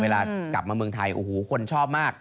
เวลากลับมาเมืองไทยโอ้โหคนชอบมาก